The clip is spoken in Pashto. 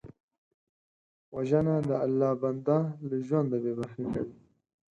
وژنه د الله بنده له ژونده بېبرخې کوي